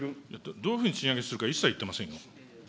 どういうふうに賃上げするか一切言っていませんよ。